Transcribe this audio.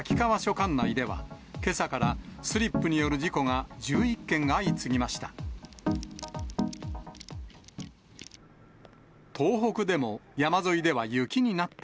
管内では、けさから、スリップによる事故が１１件相次ぎました。